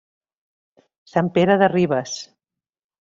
Sant Pere de Ribes.